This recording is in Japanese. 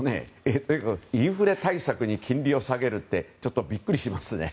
インフレ対策に金利を下げるってちょっとビックリしますね。